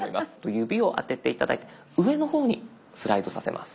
指をあてて頂いて上の方にスライドさせます。